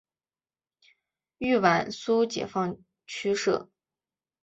豫皖苏解放区设。